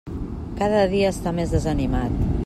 Cada dia està més desanimat.